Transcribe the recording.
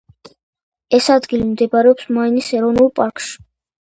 ეს ადგილი მდებარეობს მაინის ეროვნულ პარკში.